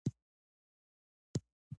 د هغه د هر بیت تر شا د تجربو یوه لویه نړۍ ده.